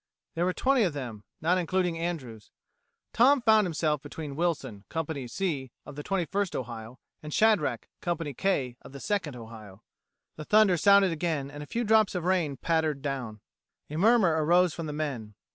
There were twenty of them, not including Andrews. Tom found himself between Wilson, Company C, of the Twenty first Ohio, and Shadrack, Company K, of the Second Ohio. The thunder sounded again and a few drops of rain pattered down. A murmer arose from the men.